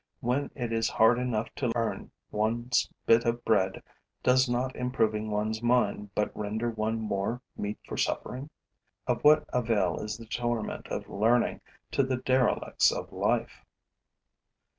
When it is hard enough to earn one's bit of bread, does not improving one's mind but render one more meet for suffering? Of what avail is the torment of learning to the derelicts of life?